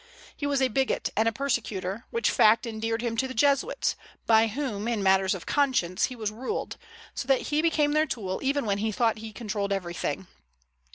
He was a bigot and a persecutor, which fact endeared him to the Jesuits, by whom, in matters of conscience, he was ruled, so that he became their tool even while he thought he controlled everything.